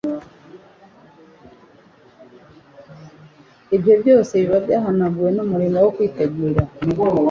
Ibyo byose biba byahanaguwe n'umurimo wo kwitegura.